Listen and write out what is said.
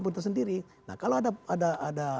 pemerintah sendiri nah kalau ada